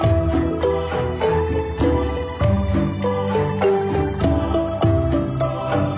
ที่สุดท้ายที่สุดท้ายที่สุดท้าย